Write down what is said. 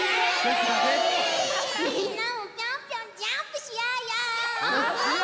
みんなもピョンピョンジャンプしようよ！